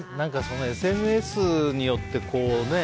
ＳＮＳによってね。